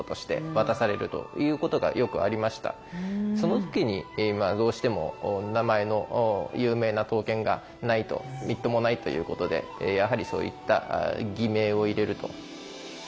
その時にどうしても名前の有名な刀剣がないとみっともないということでやはりそういった偽名を入れると。